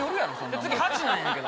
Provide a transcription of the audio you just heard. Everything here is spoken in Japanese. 次、８なんやけど。